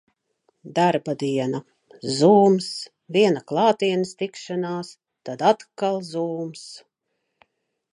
Darba diena. Zooms, viena klātienes tikšanās, tad atkal Zooms.